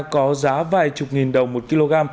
có giá vài chục nghìn đồng một kg